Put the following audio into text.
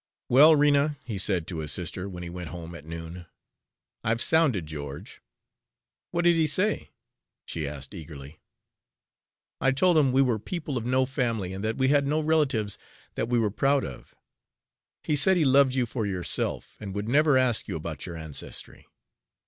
"Well, Rena," he said to his sister when he went home at noon: "I've sounded George." "What did he say?" she asked eagerly. "I told him we were people of no family, and that we had no relatives that we were proud of. He said he loved you for yourself, and would never ask you about your ancestry."